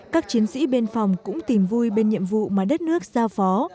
các chiến sĩ biên phòng cũng tìm vui bên nhiệm vụ mà đất nước giao phó